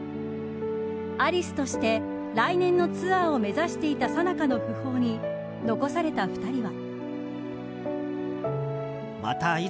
アリスとして、来年のツアーを目指していたさなかの訃報に残された２人は。